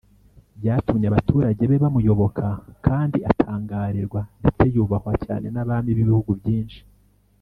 byatumye abaturage be bamuyoboka kandi atangarirwa ndetse yubahwa cyane n’abami b’ibihugu byinshi.